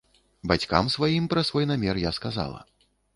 Бацькам сваім пра свой намер я сказала.